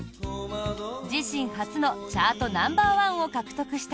自身初のチャートナンバーワンを獲得した